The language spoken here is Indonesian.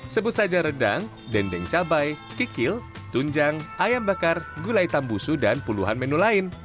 sebut saja redang dendeng cabai kikil tunjang ayam bakar gulai tambusu dan puluhan menu lain